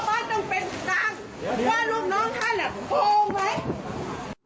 ว่าลูกน้องท่านโพงไหม